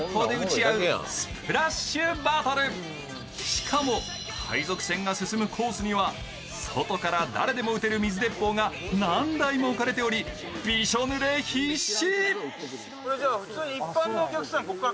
しかも、海賊船が進むコースには外から誰でも撃てる水鉄砲が何台も置かれており、びしょぬれ必至！